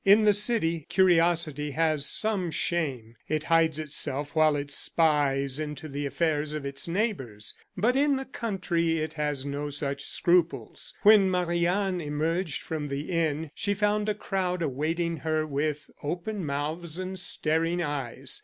In the city, curiosity has some shame; it hides itself while it spies into the affairs of its neighbors; but in the country it has no such scruples. When Marie Anne emerged from the inn, she found a crowd awaiting her with open mouths and staring eyes.